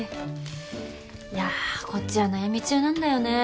いやこっちは悩み中なんだよね。